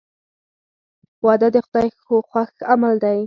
• واده د خدای خوښ عمل دی.